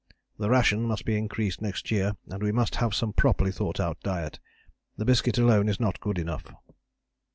The ration must be increased next year and we must have some properly thought out diet. The biscuit alone is not good enough."